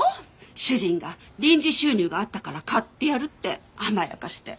主人が臨時収入があったから買ってやるって甘やかして。